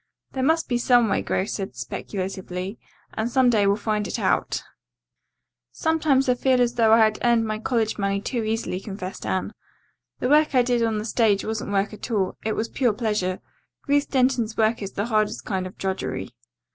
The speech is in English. "There must be some way," Grace said speculatively, "and some day we'll find it out." "Sometimes I feel as though I had earned my college money too easily," confessed Anne. "The work I did on the stage wasn't work at all, it was pure pleasure. Ruth Denton's work is the hardest kind of drudgery."